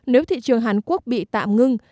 nếu thị trường hàn quốc bị tạm ngưng